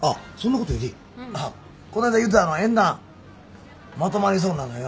こないだ言うてた縁談まとまりそうなのよ。